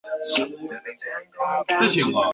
赵谦人。